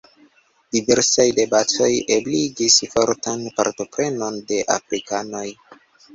Diversaj debatoj ebligis fortan partoprenon de afrikanoj.